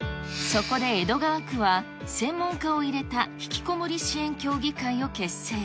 そこで、江戸川区は専門家を入れたひきこもり支援協議会を結成。